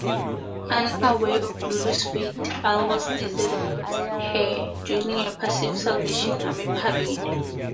Unaware of Lulu's fate, Alwa deserts her, joining a passing Salvation Army parade.